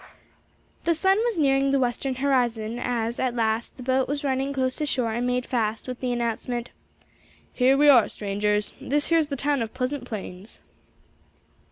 The sun was nearing the western horizon as, at last, the boat was run in close to shore and made fast, with the announcement, "Here we are, strangers; this here's the town of Pleasant Plains."